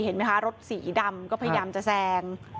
เห็นไหมคะรถสีดำก็พยายามจะแซง